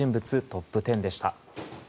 トップ１０でした。